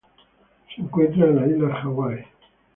Se encuentran en las Islas Hawaii